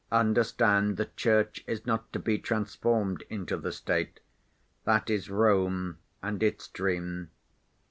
"Understand, the Church is not to be transformed into the State. That is Rome and its dream.